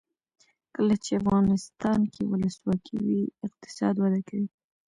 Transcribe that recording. کله چې افغانستان کې ولسواکي وي اقتصاد وده کوي.